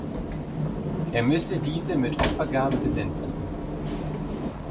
Er müsse diese mit Opfergaben besänftigen.